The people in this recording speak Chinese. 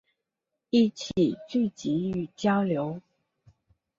一起聚集与交流